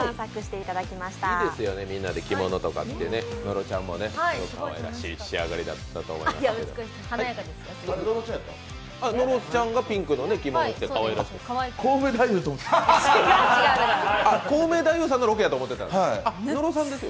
いいですよね、みんなで着物着て、野呂ちゃんもかわいらしい仕上がりになりましたね。